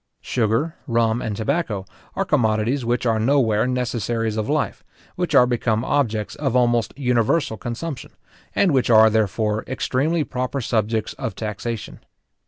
Sugar, rum, and tobacco, are commodities which are nowhere necessaries of life, which are become objects of almost universal consumption, and which are, therefore, extremely proper subjects of taxation.